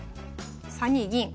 ３二銀。